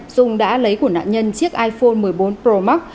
dung đã lấy của nạn nhân chiếc iphone một mươi bốn pro max